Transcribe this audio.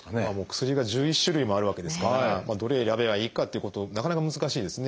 薬が１１種類もあるわけですからどれ選べばいいかっていうことなかなか難しいですね。